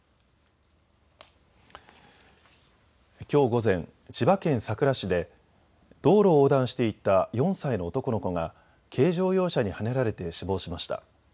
きょう午前、千葉県佐倉市で道路を横断していた４歳の男の子が軽乗用車にはねられて死亡しました。